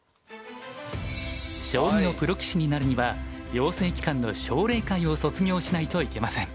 将棋のプロ棋士になるには養成機関の奨励会を卒業しないといけません。